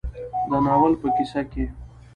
د ناول په کيسه کې